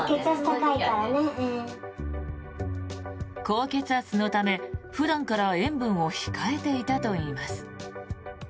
高血圧のため、普段から塩分を控えていたといいます。